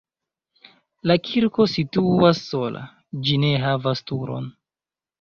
La kirko situas sola, ĝi ne havas turon.